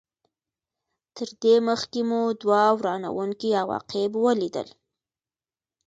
تر دې مخکې مو دوه ورانوونکي عواقب ولیدل.